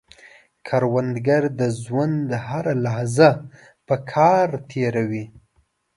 کروندګر د ژوند هره لحظه په کار تېروي